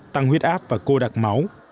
tăng huyết áp và cô đặc máu